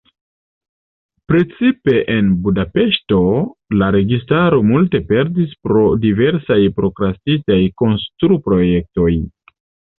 Precipe en Budapeŝto la registaro multe perdis pro diversaj prokrastitaj konstru-projektoj.